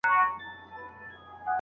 خلګ له خپلو ستونزو سره مبارزه کوله.